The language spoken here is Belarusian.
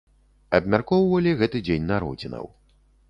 Абмяркоўвалі гэты дзень народзінаў.